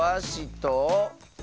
と。